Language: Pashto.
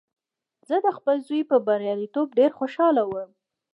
زه د خپل زوی په بریالیتوب ډېر خوشحاله وم